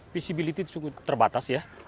visibilitas terbatas ya